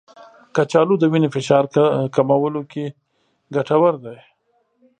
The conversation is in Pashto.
کچالو د وینې فشار کمولو کې ګټور دی.